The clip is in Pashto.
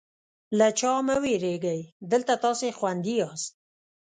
له چا مه وېرېږئ، دلته تاسې خوندي یاست.